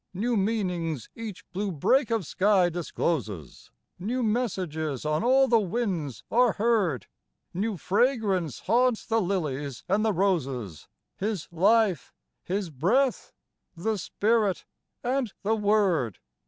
New meanings each blue break of sky discloses ; New messages on all the winds are heard ; New fragrance haunts the lilies and the roses, — His life, His breath, — the Spirit and the Word.